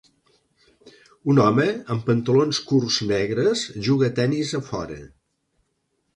Un home amb pantalons curts negres juga a tenis a fora.